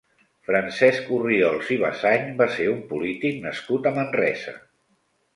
Francesc Orriols i Basany va ser un polític nascut a Manresa.